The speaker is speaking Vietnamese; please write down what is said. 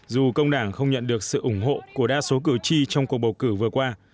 dù công đảng không nhận được sự ủng hộ của đa số cử tri trong cuộc bầu cử vừa qua